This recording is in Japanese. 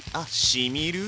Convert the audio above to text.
しみる！